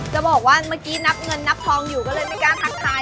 จะบอกว่าเมื่อกี้นับเงินนับทองอยู่ก็เลยไม่กล้าทักทาย